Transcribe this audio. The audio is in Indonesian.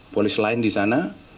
polis lain disana